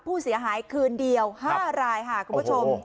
ผู้เสียหายคืนเดียว๕รายค่ะคุณผู้ชม